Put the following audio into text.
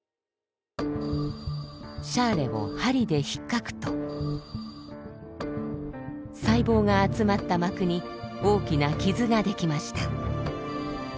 シャーレを針でひっかくと細胞が集まった膜に大きな傷が出来ました。